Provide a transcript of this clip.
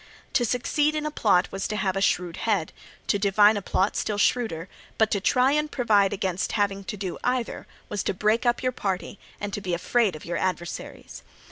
To succeed in a plot was to have a shrewd head, to divine a plot a still shrewder; but to try to provide against having to do either was to break up your party and to be afraid of your adversaries.